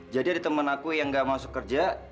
jadi ada temen aku yang gak masuk kerja